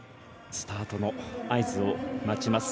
スタートの合図を待ちます。